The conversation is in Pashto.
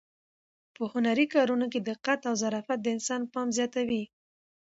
په هنري کارونو کې دقت او ظرافت د انسان پام زیاتوي.